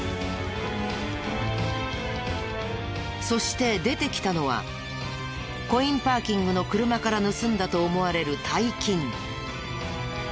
そして出てきたのはコインパーキングの車から盗んだと思われる大金。